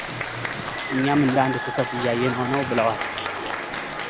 እኛም እንደ አንድ ትኩረት እያየነው ነው ብለዋል